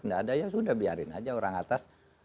nggak ada ya sudah biarin aja orang atas